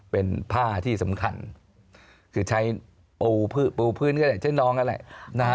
เป็นผ้าที่สำคัญคือใช้โอ้วพื้นก็ได้ใช้น้องก็ได้